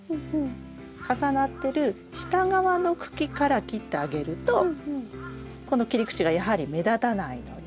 重なってる下側の茎から切ってあげるとこの切り口がやはり目立たないので。